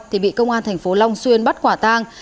thì bị công an thành phố long xuyên bắt quả tang